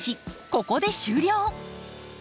ここで終了。